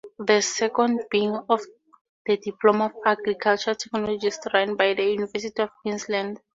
The second being the Diploma of Agricultural Technologies run by the University of Queensland.